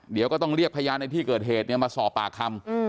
เดี๋ยวก็ต้องเรียกพยานในที่เกิดเหตุมาสอบปากคำ